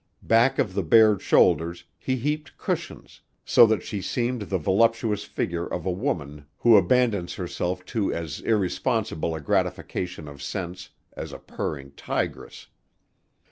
Back of the bared shoulders, he heaped cushions, so that she seemed the voluptuous figure of a woman who abandons herself to as irresponsible a gratification of sense as a purring tigress.